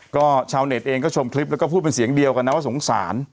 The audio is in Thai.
ก็ชาวเน็ตเองก็ชมคลิปแล้วก็พูดเป็นเสียงเดียวกันนะว่าสงสาร